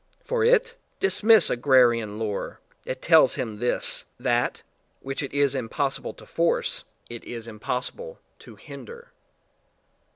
For it? Dismiss agrarian lore; it tells him this: that which it is impossible to force, it is impossible to hinder.